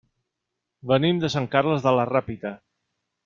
Venim de Sant Carles de la Ràpita.